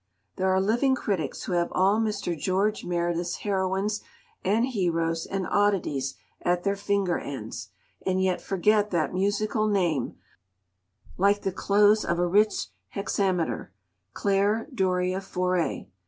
There are living critics who have all Mr. George Meredith's heroines and heroes and oddities at their finger ends, and yet forget that musical name, like the close of a rich hexameter, Clare Doria Forey.